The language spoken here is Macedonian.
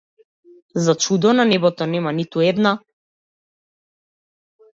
За чудо, на небото нема ниту една.